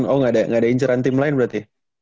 oh nggak ada incaran tim lain berarti